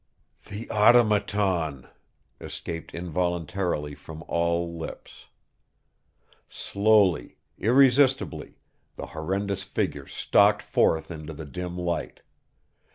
"The Automaton!" escaped involuntarily from all lips. Slowly, irresistibly, the horrendous figure stalked forth into the dim light.